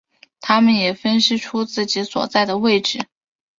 他们也分析出自己所在的位置。